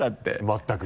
全く。